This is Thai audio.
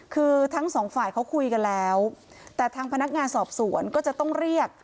คือทั้งสองฝ่ายเขาคุยกันแล้วแต่ทางพนักงานสอบสวนก็จะต้องเรียก